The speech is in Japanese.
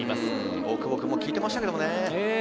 大久保君も効いていましたけどね。